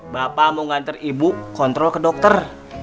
bapak mau ngantar ibu kontrol ke dokter